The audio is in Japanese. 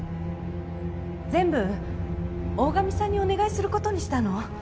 全部大神さんにお願いすることにしたの。